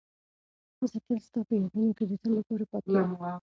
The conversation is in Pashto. زه تل ستا په یادونو کې د تل لپاره پاتې یم.